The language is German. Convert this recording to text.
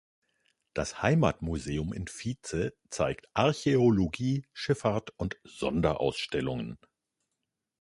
Das Heimatmuseum in Vietze zeigt Archäologie, Schifffahrt und Sonderausstellung.